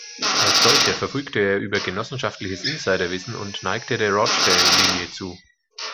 Als solcher verfügte er über genossenschaftliches Insiderwissen und neigte der Rochdale-Linie zu.